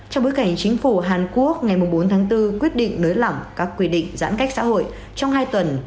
trong bối cảnh chính phủ hàn quốc ngày bốn tháng bốn quyết định nới lỏng các quy định giãn cách xã hội trong hai tuần